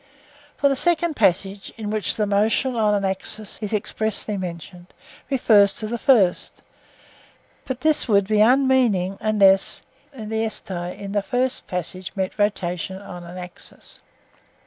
For the second passage, in which motion on an axis is expressly mentioned, refers to the first, but this would be unmeaning unless (Greek) in the first passage meant rotation on an axis.